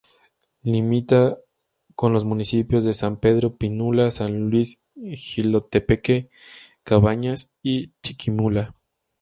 Limita con los municipios de San Pedro Pinula, San Luis Jilotepeque, Cabañas, y Chiquimula.